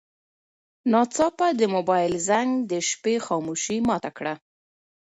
ناڅاپه د موبایل زنګ د شپې خاموشي ماته کړه.